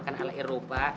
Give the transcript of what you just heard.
tapi ke lama